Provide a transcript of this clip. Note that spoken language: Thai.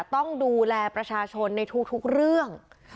ต้องดูแลประชาชนในทุกเรื่อง